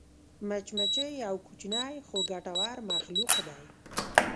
مچمچۍ یو کوچنی خو ګټور مخلوق دی